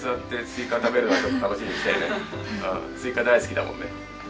スイカ大好きだもんね。